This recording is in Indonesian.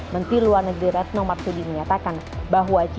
menteri luar negeri retno marsudi menyatakan bahwa g dua puluh